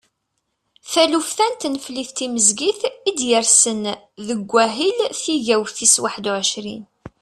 Taluft-a n tneflit timezgit i d-yersen deg wahil tigawt tis waḥedd u ɛecrin.